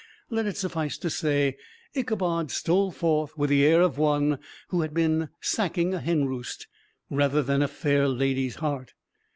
Let it suffice to say, Ichabod stole forth with the air of one who had been sacking a hen roost, rather than a fair lady's heart.